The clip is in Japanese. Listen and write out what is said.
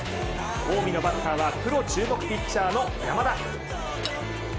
近江のバッターはプロ注目ピッチャーの山田。